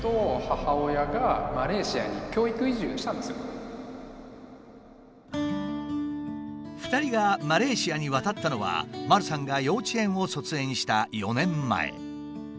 えっ２人がマレーシアに渡ったのはまるさんが幼稚園を卒園した４年前。